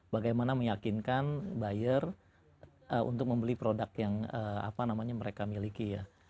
bagaimana meyakinkan buyer untuk membeli produk yang mereka miliki ya